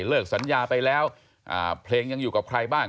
เลิกสัญญาไปแล้วเพลงยังอยู่กับใครบ้าง